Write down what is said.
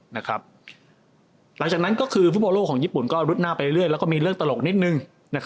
หลังจากนั้นก็คือฟุตบอลโลกของญี่ปุ่นก็รุดหน้าไปเรื่อยแล้วก็มีเรื่องตลกนิดนึง